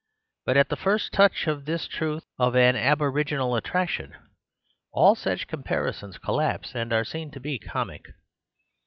But at the first touch of this truth of an aborig inal attraction, all such comparisons collapse and are seen to be comic.